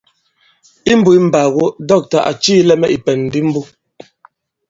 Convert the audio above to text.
Imbūs mbàgo dɔ̂ktà à cilī mɛ̀ ìpɛ̀n di mbo.